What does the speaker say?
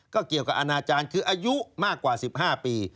ก็เกี่ยวกับอนาจารย์คืออายุมากกว่า๑๕ปี